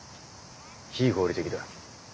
非合理的だ。